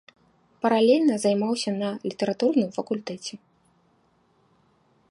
Паралельна займаўся на літаратурным факультэце.